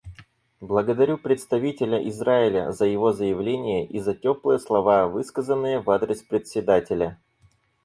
Благодарю представителя Израиля за его заявление и за теплые слова, высказанные в адрес Председателя.